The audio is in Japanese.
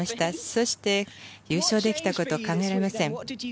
そして、優勝できたこと考えられません。